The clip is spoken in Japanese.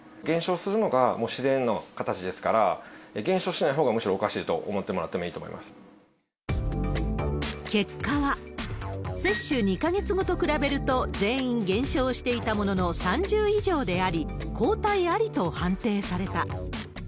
減少するのが自然の形ですから、減少しないほうがむしろおかしいと思ってもらってもいいと思いま結果は、接種２か月後と比べると全員減少していたものの、３０以上であり、抗体ありと判定された。